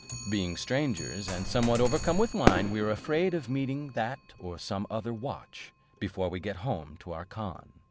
Being strangers, and somewhat overcome with wine, we are afraid of meeting that or some other watch, before we get home to our khan.